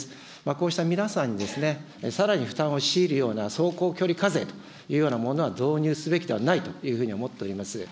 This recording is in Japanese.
こうした皆さんにさらに負担を強いるような走行距離課税というようなものは導入すべきではないというふうに思っております。